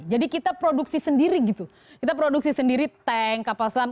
jadi kita produksi sendiri gitu kita produksi sendiri tank kapal selam